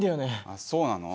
あっそうなの？